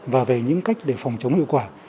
và về những cách để phòng chống hiệu quả